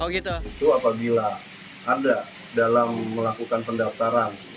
itu apabila ada dalam melakukan pendaftaran